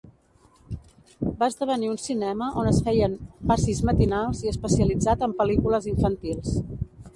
Va esdevenir un cinema on es feien passis matinals i especialitzat en pel·lícules infantils.